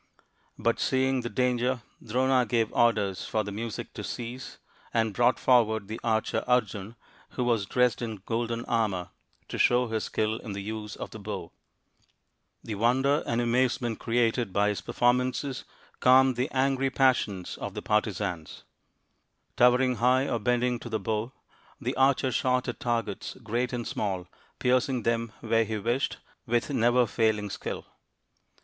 But, seeing the danger, Drona gave orders for the music to cease, and brought forward the archer Arjun, who was dressed in golden armour, to show his skill in the use of the bow. The wonder and amazement created by his performances calmed the angry passions of the 74 THE INDIAN STORY BOOK partizans. Towering high or bending to the bow, the archer shot at targets great and small, piercing them where he wished with never failing skill.